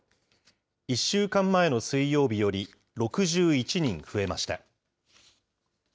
１週間前の水曜日より６１人増えました。